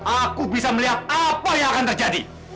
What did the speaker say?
aku bisa melihat apa yang akan terjadi